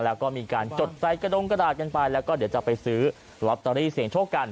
แล้วก็มีการจดใส่กระดงกระดาษกันไปแล้วก็เดี๋ยวจะไปซื้อลอตเตอรี่เสียงโชคกัน